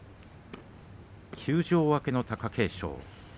休場明けの貴景勝。